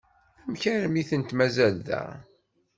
Amek armi i tent-mazal da?